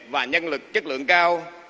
và nhân lực chất lượng cao